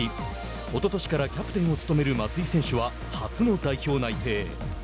おととしからキャプテンを務める松井選手は初の代表内定。